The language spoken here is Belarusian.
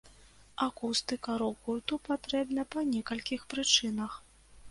Акустыка рок-гурту патрэбна па некалькіх прычынах.